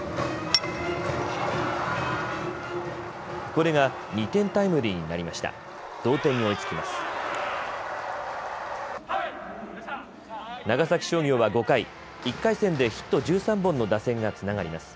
これが２点タイムリーになりました。